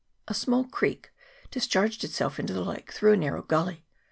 A small creek discharged itself into the lake through a narrow gulley.